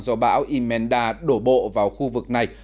do bão emenda đổ bộ vào khu vực này